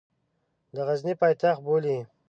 د غزني پایتخت بولي.